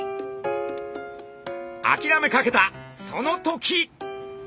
あきらめかけたその時。